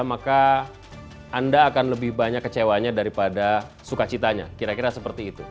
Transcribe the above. maka anda akan lebih banyak kecewanya daripada sukacitanya kira kira seperti itu